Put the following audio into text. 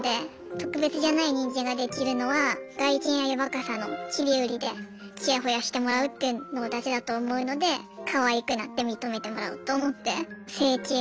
特別じゃない人間ができるのは外見や若さの切り売りでチヤホヤしてもらうっていうのだけだと思うのでかわいくなって認めてもらおうと思って整形しました。